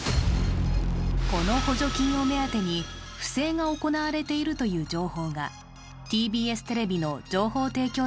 この補助金を目当てに、不正が行われているという情報がＴＢＳテレビの情報提供